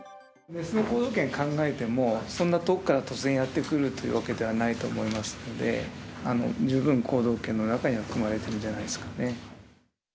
雌の行動圏考えても、そんな遠くから突然やって来るというわけではないと思いますので、十分行動圏の中に含まれているんじゃないですかね。